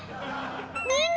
みんな！